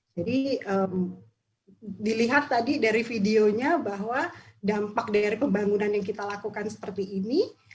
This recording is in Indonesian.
jadi dilihat tadi dari videonya bahwa dampak dari pembangunan yang kita lakukan seperti ini